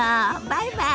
バイバイ。